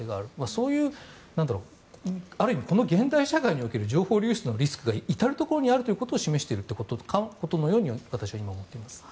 そういうある意味、この現代社会における情報流出のリスクが至るところにあるということを示しているように私は思っています。